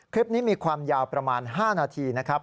คลิปนี้มีความยาวประมาณ๕นาทีนะครับ